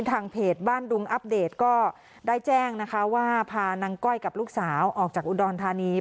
ทางเพจบ้านดุงอัปเดตก็ได้แจ้งนะคะว่าพานางก้อยกับลูกสาวออกจากอุดรธานี